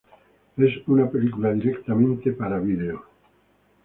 Es una película directamente para video.